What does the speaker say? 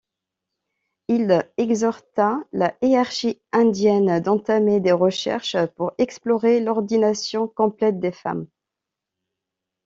Il exhorta la hiérarchie indienne d’entamer des recherches pour explorer l’ordination complète des femmes.